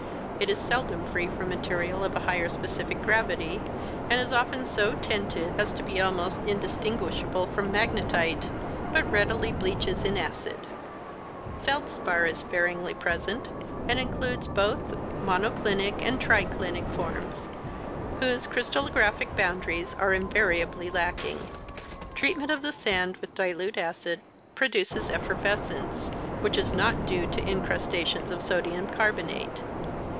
It is seldom free from material of a higher specific gravity, and is often so tinted as to be almost indistinguishable from magnetite, but readily bleaches in acid. 27 Nat. Geog. Mag., vol. Ill, iSdl. ■ 198 I. a Russell— E'.vjpedition to Mount St. Elias. Feldspar is sparingly present, and includes both monoclinic and triclinie forms, whose crystallographic boundaries are invariably lacking. Treatment of the sand with dilute acid produces effervescence, which is not due to incrustations of sodium carbonate.